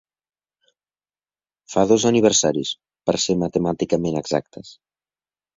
Fa dos aniversaris, per ser matemàticament exactes.